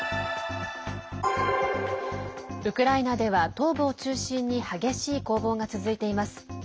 ウクライナでは、東部を中心に激しい攻防が続いています。